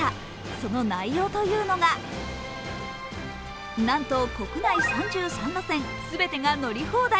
その内容というのがなんと国内３３路線全てが乗り放題。